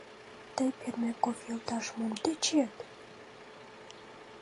Тый, Пермяков йолташ, мом тӧчет?